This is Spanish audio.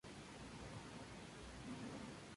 Las razones de este suceso aún no se han podido esclarecer.